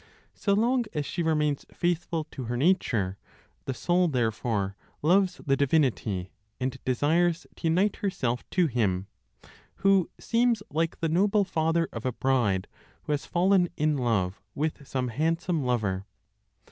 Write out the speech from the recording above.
So long as she remains faithful to her nature, the soul therefore loves the divinity, and desires to unite herself to Him, who seems like the noble father of a bride who has fallen in love with some handsome lover.